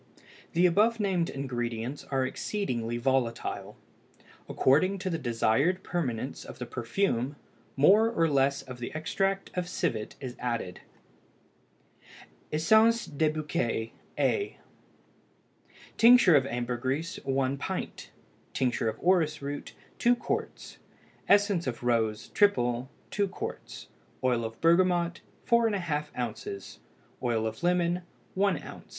The above named ingredients are exceedingly volatile; according to the desired permanence of the perfume, more or less of the extract of civet is added. ESSENCE DES BOUQUETS, A (ESS. BOUQUET). Tincture of ambergris 1 pint. Tincture of orris root 2 qts. Essence of rose (triple) 2 qts. Oil of bergamot 4½ oz. Oil of lemon 1 oz.